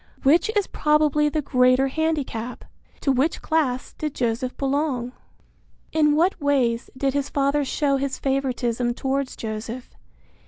Which is probably the greater handicap? To which class did Joseph belong? In what ways did his father show his favoritism towards Joseph?